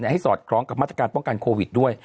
ให้สอดคล้องกับมาตรการป้องกันโควิดด้วย